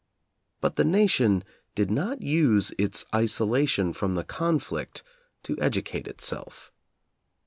But the nation did not use its isolation from the conflict to educate itself.